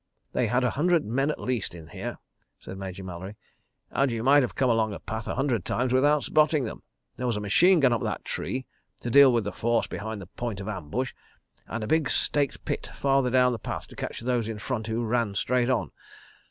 "They had a hundred men at least, in here," said Major Mallery, "and you might have come along the path a hundred times without spotting them. There was a machine gun up that tree, to deal with the force behind the point of ambush, and a big staked pit farther down the path to catch those in front who ran straight on.